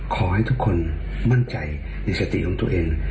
ขอให้ทุกคนมั่นใจในสติของตัวเอง